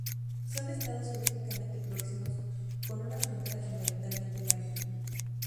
Son Estados geográficamente próximos con una frontera fundamentalmente marítima.